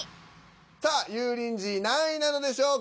さあ油淋鶏何位なのでしょうか。